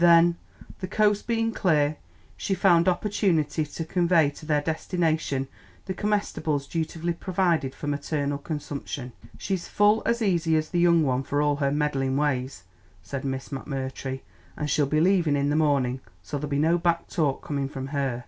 Then, the coast being clear, she found opportunity to convey to their destination the comestibles dutifully provided for maternal consumption. "She's full as easy as the young one for all her meddlin' ways," said Miss McMurtry, "an' she'll be leavin' in the mornin', so there'll be no back talk comin' from her."